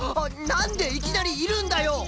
なんでいきなりいるんだよ！